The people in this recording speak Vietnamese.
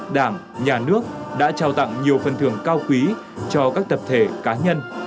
đảng nhà nước đã trao tặng nhiều phần thưởng cao quý cho các tập thể cá nhân